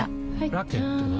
ラケットは？